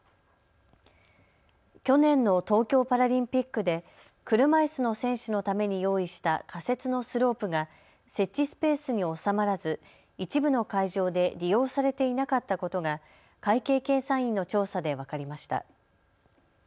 去年の東京パラリンピックで車いすの選手のために用意した仮設のスロープが設置スペースに収まらず一部の会場で利用されていなかったことが会計検査院の調査で分かりました。